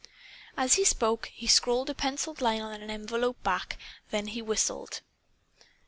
As he spoke, he scrawled a penciled line on an envelope back; then he whistled.